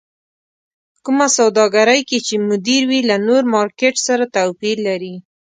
کومه سوداګرۍ کې چې مدير وي له نور مارکېټ سره توپير لري.